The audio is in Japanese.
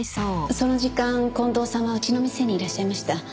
その時間近藤さんはうちの店にいらっしゃいました。